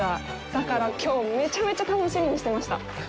だから、きょうめちゃめちゃ楽しみにしてました。